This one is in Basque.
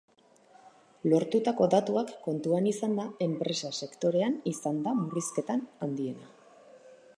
Lortutako datuak kontuan izanda, enpresa sektorean izan da murrizketa handiena.